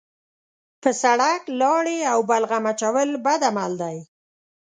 په سړک لاړې او بلغم اچول بد عمل دی.